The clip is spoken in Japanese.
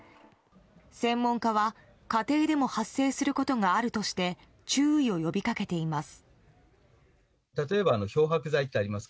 専門家は、家庭でも発生することがあるとして注意を呼びかけています。